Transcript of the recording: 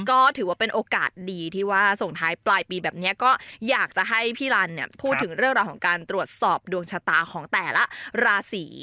ก็ถือว่าเป็นโอกาสดีที่ว่าส่งท้ายปลายปีแบบนี้ก็อยากจะให้พี่ลันเนี่ยพูดถึงเรื่องราวของการตรวจสอบดวงชะตาของแต่ละราศี